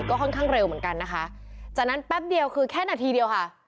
ก็ค่อนข้างเร็วเหมือนกันนะคะจากนั้นแป๊บเดียวคือแค่นาทีเดียวค่ะ